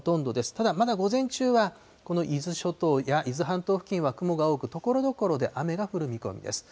ただまだ午前中はこの伊豆諸島や伊豆半島付近は雲が多く、ところどころで雨が降る見込みです。